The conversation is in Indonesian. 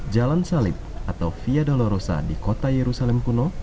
jalan salib atau via dolorosa di kota yerusalem kuno